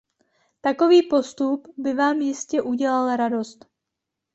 Takový postup by vám jistě udělal radost.